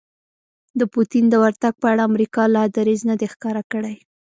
د پوتین د ورتګ په اړه امریکا لا دریځ نه دی ښکاره کړی